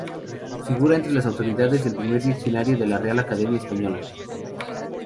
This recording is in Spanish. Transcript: Figura entre las autoridades del primer diccionario de la Real Academia Española.